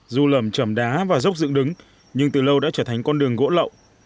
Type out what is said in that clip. dù lầm trầm đá và dốc dựng đứng nhưng từ lâu đã trở thành con đường gỗ lậu